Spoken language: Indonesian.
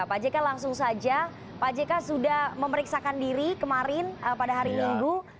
pak jk langsung saja pak jk sudah memeriksakan diri kemarin pada hari minggu